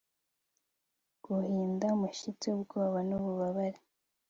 Guhinda umushyitsi ubwoba nububabare